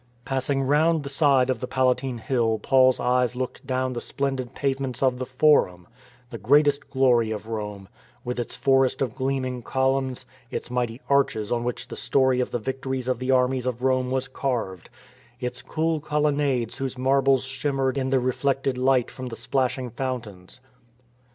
Passing round the side of the Palatine Hill Paul's eyes looked down the splendid pavements of the Forum, the greatest glory of Rome, with its forest of gleam ing columns, its mighty arches on which the story of the victories of the armies of Rome was carved, its cool colonnades whose marbles shimmered in the reflected light from the splashing fountains.